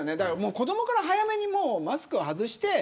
子どもから早めにマスクを外して。